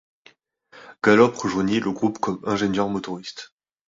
Gallop rejoignit le groupe comme ingénieur motoriste.